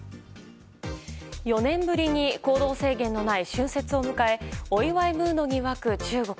４年ぶりに行動制限のない春節を迎えお祝いムードに沸く中国。